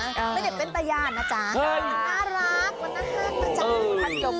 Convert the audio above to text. ไม่ได้เป็นประญาตินะจ๊ะ